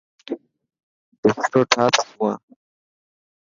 بسترو ٺاهه ته سوان.